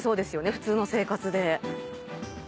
普通の生活で。